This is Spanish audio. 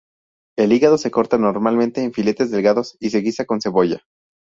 El hígado se corta normalmente en filetes delgados y se guisa con la cebolla.